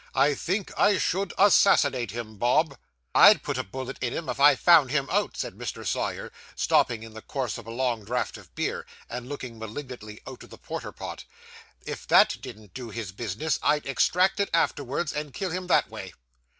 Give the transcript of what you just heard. I think I should assassinate him, Bob.' 'I'd put a bullet in him, if I found him out,' said Mr. Sawyer, stopping in the course of a long draught of beer, and looking malignantly out of the porter pot. 'If that didn't do his business, I'd extract it afterwards, and kill him that way.